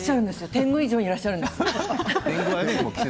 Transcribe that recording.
天狗以上にいらっしゃるんです。